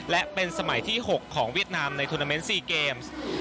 และเป็นสมัยที่๖ของเวียดนามในทุนาเมนต์๔เกมส์